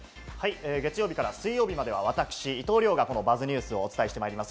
月曜日から水曜日までは私、伊藤遼が「ＢＵＺＺニュース」お伝えします。